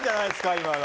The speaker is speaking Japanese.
今の。